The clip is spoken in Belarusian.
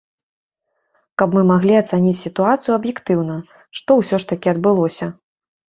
Каб мы маглі ацаніць сітуацыю аб'ектыўна, што ўсё ж такі адбылося.